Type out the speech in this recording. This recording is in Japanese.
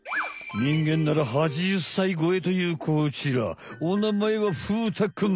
人間なら８０歳ごえというこちらおなまえは風太くん。